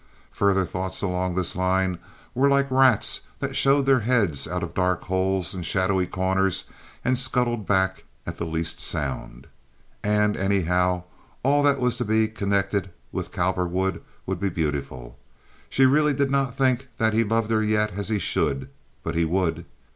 Further thoughts along this line were like rats that showed their heads out of dark holes in shadowy corners and scuttled back at the least sound. And, anyhow, all that was to be connected with Cowperwood would be beautiful. She really did not think that he loved her yet as he should; but he would.